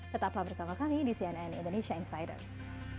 tetaplah bersama kami di cnn indonesia insiders